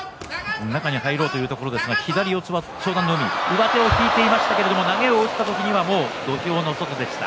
上手を抜いていましたが投げを打った時にはもう土俵の外でした。